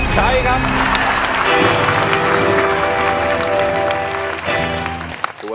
ใช้ครับ